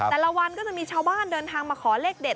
แต่ละวันก็จะมีชาวบ้านเดินทางมาขอเลขเด็ด